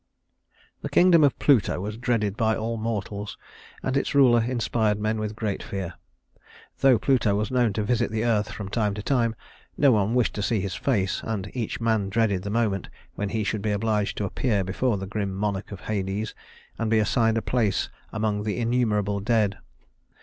The kingdom of Pluto was dreaded by all mortals, and its ruler inspired men with great fear. Though Pluto was known to visit the earth from time to time, no one wished to see his face, and each man dreaded the moment when he should be obliged to appear before the grim monarch of Hades, and be assigned a place among the innumerable dead.